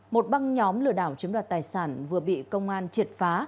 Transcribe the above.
một băng nhóm lừa đảo chiếm đoạt tài sản vừa bị công an triệt phá